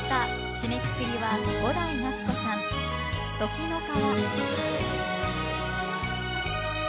締めくくりは伍代夏子さん「時の川」。